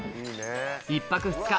１泊２日